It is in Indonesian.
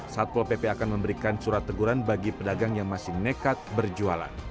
satpol pp akan memberikan surat teguran bagi pedagang yang masih nekat berjualan